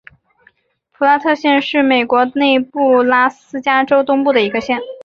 普拉特县是美国内布拉斯加州东部的一个县。